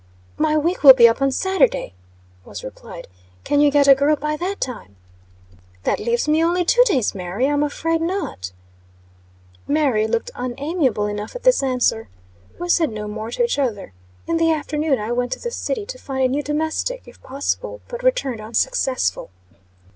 "My week will be up on Saturday," was replied. "Can you get a girl by that time?" "That leaves me only two days, Mary; I'm afraid not." Mary looked unamiable enough at this answer. We said no more to each other. In the afternoon I went to the city to find a new domestic, if possible, but returned unsuccessful.